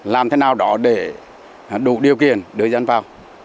làm thế nào đó để đủ điều kiện đưa dân vào